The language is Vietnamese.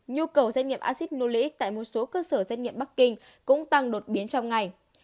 nhu cầu xét nghiệm acid nulic tại một số cơ sở xét nghiệm bắc kinh cũng tăng đột biến trong ngày